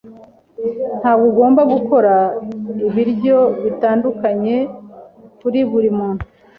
Ntabwo ugomba gukora ibiryo bitandukanye kuri buri muntu.